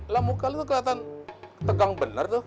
lah muka lo tuh keliatan tegang bener tuh